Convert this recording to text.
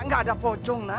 tidak ada pocong nak